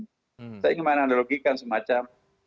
kita ingin menandalogikan semacam